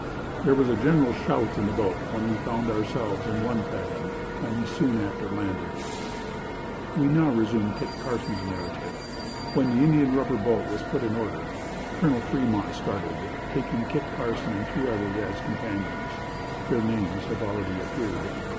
There was a general shout in the boat when we found ourselves in one fathom, and we soon after landed.'" We now resume Kit Carson's narrative. When the Indian rubber boat was put in order, Colonel Fremont started, taking Carson and three others as companions. (Their names have already appeared.)